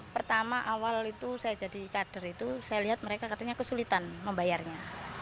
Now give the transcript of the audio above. pertama awal itu saya jadi kader itu saya lihat mereka katanya kesulitan membayarnya